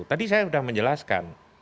tadi saya sudah menjelaskan